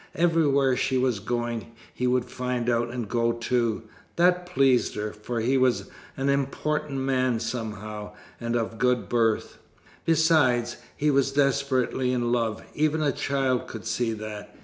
Everywhere she was going, he would find out, and go too. That pleased her for he was an important man somehow, and of good birth. Besides, he was desperately in love even a child could see that.